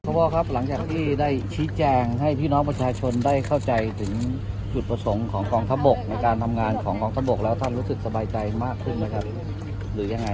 พ่อครับหลังจากที่ได้ชี้แจงให้พี่น้องประชาชนได้เข้าใจถึงจุดประสงค์ของกองทัพบกในการทำงานของกองทัพบกแล้วท่านรู้สึกสบายใจมากขึ้นไหมครับหรือยังไง